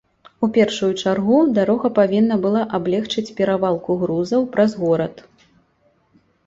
У першую чаргу дарога павінна была аблегчыць перавалку грузаў праз горад.